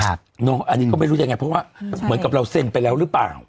อันนี้ก็ไม่รู้ยังไงเพราะว่าเหมือนกับเราเซ็นไปแล้วหรือเปล่า